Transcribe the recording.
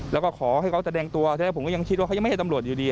แล้วก็ขอให้เขาแสดงตัวทีนี้ผมก็ยังคิดว่าเขายังไม่ใช่ตำรวจอยู่ดี